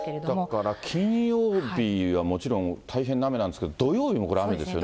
だから金曜日はもちろん、大変な雨なんですけど、土曜日もこれ、雨ですよね。